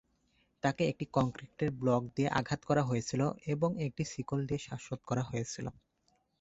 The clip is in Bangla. তাকে একটি কংক্রিটের ব্লক দিয়ে আঘাত করা হয়েছিল এবং একটি শিকল দিয়ে শ্বাসরোধ করা হয়েছিল।